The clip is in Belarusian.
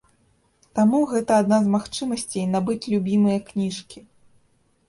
Таму гэта адна з магчымасцей набыць любімыя кніжкі.